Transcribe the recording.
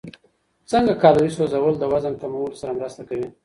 څنګه کالوري سوځول د وزن کمولو سره مرسته کوي؟